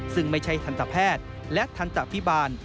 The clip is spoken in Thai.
ซึ่งไม่ใช่ทันตแพทย์และทันตภิบาล